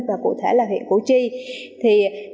và cụ thể là huyện củ chi